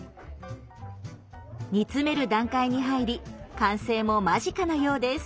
煮詰める段階に入り完成も間近なようです。